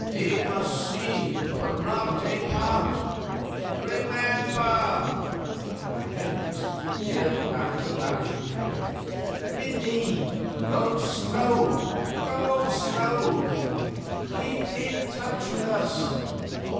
He must see, but not take part remember !' And Hendricks yelled after the vanishing figure, 'Bindy, go slow, go slow! Keep in touch with us.